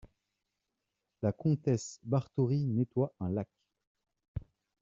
La comtesse Bathory nettoie un lac.